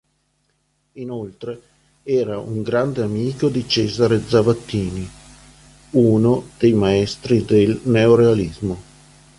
Inoltre era un grande amico di Cesare Zavattini, uno dei maestri del neorealismo.